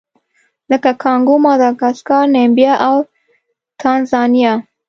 لکه کانګو، ماداګاسکار، نامبیا او تانزانیا.